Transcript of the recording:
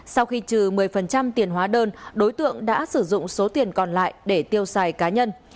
sau khi trừ một mươi tiền hóa đơn đối tượng đã sử dụng số tiền còn lại để tiêu xài cá nhân